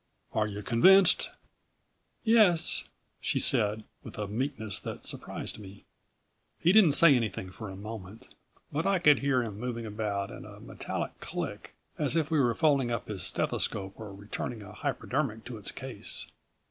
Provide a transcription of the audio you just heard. Are you convinced?" "Yes," she said, with a meekness that surprised me. He didn't say anything for a moment, but I could hear him moving about and a metallic click, as if he were folding up his stethoscope or returning a hypodermic to its case.